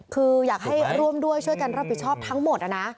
คืออยากให้ร่วมด้วยช่วยกันรับผิดชอบทั้งหมดนะ